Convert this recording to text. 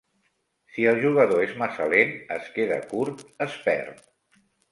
Si el jugador és massa lent, es queda curt, est perd.